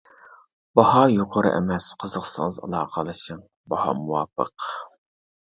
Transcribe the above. باھا يۇقىرى ئەمەس، قىزىقسىڭىز ئالاقىلىشىڭ، باھا مۇۋاپىق.